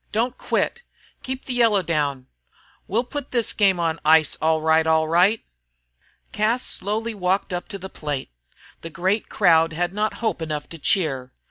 Don't quit! Keep the yellow down! We'll put this game on ice, all right, all right!" Cas slowly walked up to the plate. The great crowd had not hope enough to cheer.